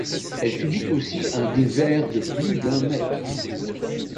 Elle subit aussi un dévers de plus d'un mètre.